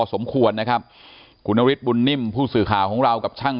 สมควรนะครับคุณนฤทธบุญนิ่มผู้สื่อข่าวของเรากับช่าง